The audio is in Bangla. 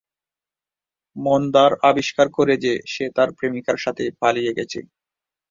মন্দার আবিষ্কার করে যে সে তার প্রেমিকার সাথে পালিয়ে গেছে।